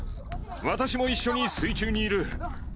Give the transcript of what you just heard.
私も一緒に水中にいる。